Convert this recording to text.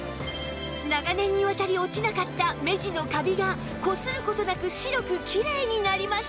長年にわたり落ちなかった目地のカビがこする事なく白くキレイになりました